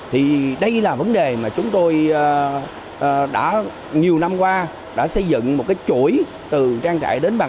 thì đây là vấn đề mà chúng tôi đã nhiều năm qua đã xây dựng một cái chuỗi từ trang trại đến mặt